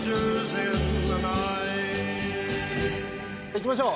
行きましょう！